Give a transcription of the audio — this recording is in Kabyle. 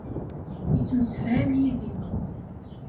Yettemsefham yid-i.